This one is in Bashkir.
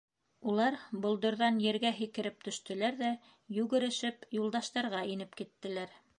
Улар болдорҙан ергә һикереп төштөләр ҙә, йүгерешеп, Юлдаштарға инеп киттеләр.